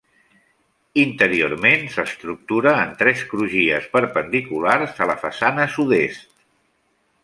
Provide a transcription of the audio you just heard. Interiorment s'estructura en tres crugies perpendiculars a la façana sud-est.